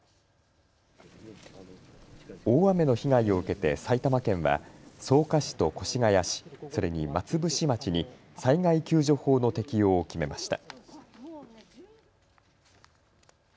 大雨の被害を受けて埼玉県は草加市と越谷市、それに松伏町に災害救助法の適用を決めました。